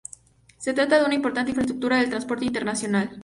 Se trata de una importante infraestructura del transporte internacional.